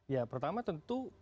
ya pertama tentu